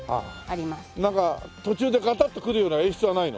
なんか途中でガタッとくるような演出はないの？